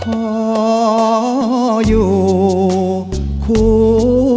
ขออยู่คู่แฟนเพลงไม่เคยคิดว่าเก่งหรือดังกว่าใครใคร